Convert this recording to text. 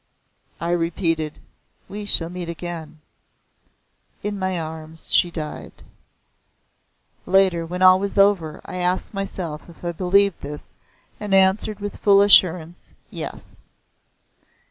I repeated "We shall meet again." In my arms she died. Later, when all was over I asked myself if I believed this and answered with full assurance Yes.